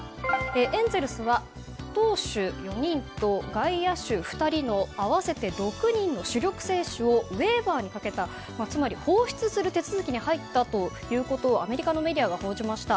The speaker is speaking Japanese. エンゼルスは投手４人と外野手２人の合わせて６人の主力選手をウエーバーにかけたつまり放出する手続きに入ったとアメリカのメディアが報じました。